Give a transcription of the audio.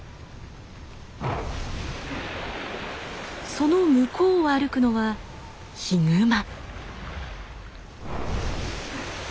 その向こうを歩くのはヒグマ。